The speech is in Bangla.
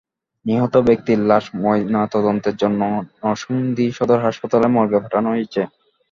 নিহত ব্যক্তির লাশ ময়নাতদন্তের জন্য নরসিংদী সদর হাসপাতাল মর্গে পাঠানো হয়েছে।